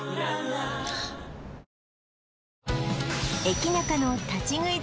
駅ナカの立ち食い